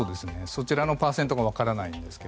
そちらのパーセントが分からないんですが。